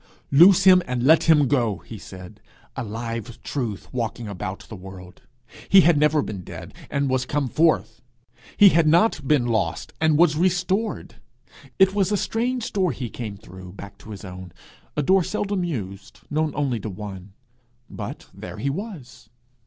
'Loose him and let him go,' he said a live truth walking about the world: he had never been dead, and was come forth; he had not been lost, and was restored! It was a strange door he came through, back to his own a door seldom used, known only to one but there he was!